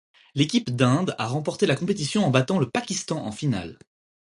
L'équipe d'Inde a remporté la compétition en battant le Pakistan en finale.